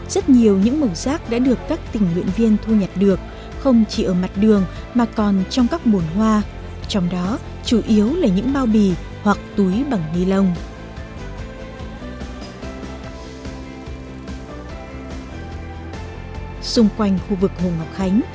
xung quanh khu vực hồ ngọc khánh